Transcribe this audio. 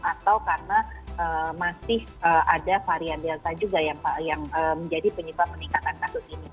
atau karena masih ada varian delta juga yang menjadi penyebab peningkatan kasus ini